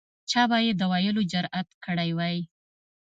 چا به یې د ویلو جرأت کړی وای.